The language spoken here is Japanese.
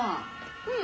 うん。